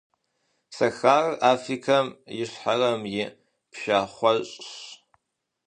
Сахарэр - Африкэ Ищхъэрэм и пшахъуэщӏщ.